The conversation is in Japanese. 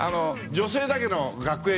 「女性だけの学園」。